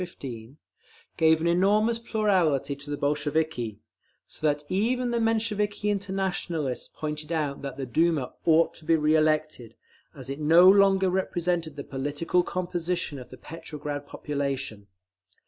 15) gave an enormous plurality to the Bolsheviki; so that even the Mensheviki Internationalists pointed out that the Duma ought to be re elected, as it no longer represented the political composition of the Petrograd population….